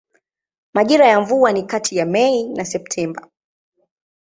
Majira ya mvua ni kati ya Mei na Septemba.